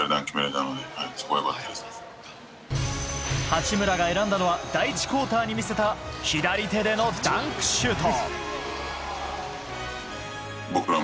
八村が選んだのは第１クオーターで見せた左手でのダンクシュート。